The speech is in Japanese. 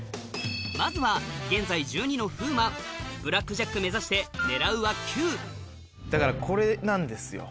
まずは現在１２の風磨ブラックジャック目指して狙うは９だからこれなんですよ